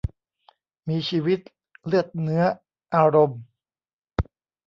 มีชีวิต เลือดเนื้อ อารมณ์